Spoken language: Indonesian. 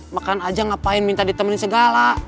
makan aja ngapain minta ditemen segala